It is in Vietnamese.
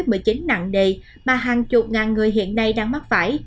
các nguy cơ hậu covid một mươi chín nặng đầy mà hàng chục ngàn người hiện nay đang mắc phải